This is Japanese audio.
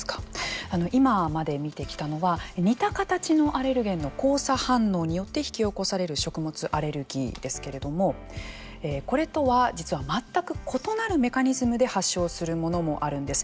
今まで見てきたのは似た形のアレルゲンの交差反応によって引き起こされる食物アレルギーですけれどもこれとは、実は全く異なるメカニズムで発症するものもあるんです。